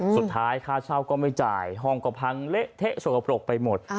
สุดท้ายค่าเช่าก็ไม่จ่ายกระพังเละเทะฉบกระโปรกไปหมด